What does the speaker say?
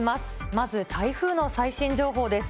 まず台風の最新情報です。